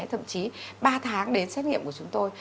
thậm chí ba tháng đến xét nghiệm của chúng tôi